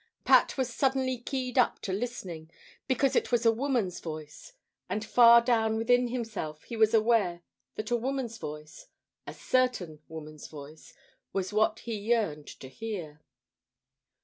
Pat was suddenly keyed up to listening, because it was a woman's voice, and far down within himself he was aware that a woman's voice a certain woman's voice was what he yearned to hear.